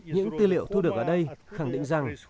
những tư liệu thu được ở đây khẳng định rằng